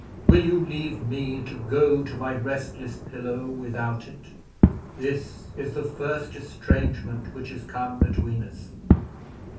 Will you leave me to go to my restless pillow without it? This is the first estrangement which has come between us."